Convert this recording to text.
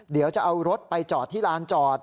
เดี๋ยวจะเอารถไปจอดที่ลานจอด